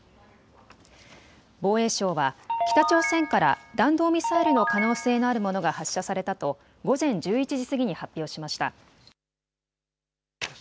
防衛省は北朝鮮から弾道ミサイルの可能性のあるものが発射されたと午前１１時過ぎに発表しました。